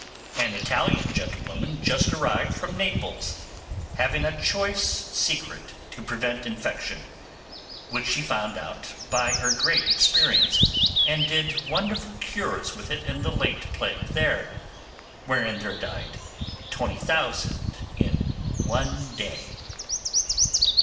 'An Italian gentlewoman just arrived from Naples, having a choice secret to prevent infection, which she found out by her great experience, and did wonderful cures with it in the late plague there, wherein there died 20,000 in one day.